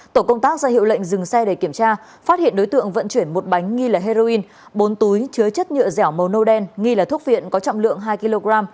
tổ công tác ra hiệu lệnh dừng xe để kiểm tra phát hiện đối tượng vận chuyển một bánh nghi là heroin bốn túi chứa chất nhựa dẻo màu nâu đen nghi là thuốc viện có trọng lượng hai kg